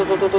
tuh tuh tuh